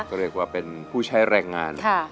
ก็เรียกว่าเป็นผู้ใช้แรงงาน